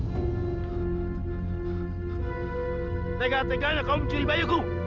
ini tega teganya kamu ciri ciri bayi ini